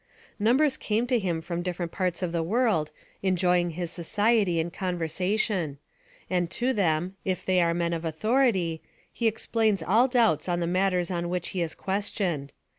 Numbers came to him from different parts of the world, enjoying his society and conversation; and to them, if they are men of authority, he explains all doubts on the matters on which he is questioned.